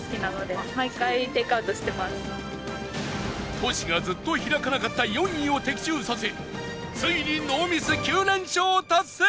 トシがずっと開かなかった４位を的中させついにノーミス９連勝達成！